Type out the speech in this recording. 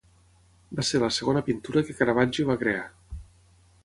Va ser la segona pintura que Caravaggio va crear.